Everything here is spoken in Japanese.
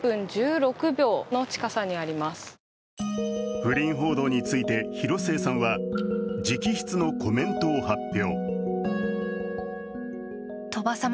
不倫報道について広末さんは直筆のコメントを発表。